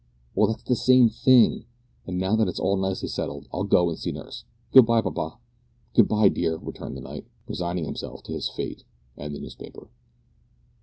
"Well, that's the same thing; and now that it's all nicely settled, I'll go and see nurse. Good bye, papa." "Good bye, dear," returned the knight, resigning himself to his fate and the newspaper.